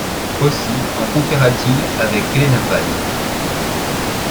Aussi en conféra-t-il avec Glenarvan.